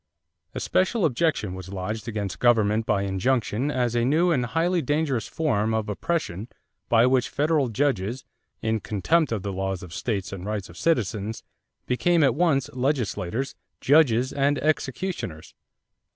A special objection was lodged against "government by injunction as a new and highly dangerous form of oppression by which federal judges, in contempt of the laws of states and rights of citizens, become at once legislators, judges, and executioners."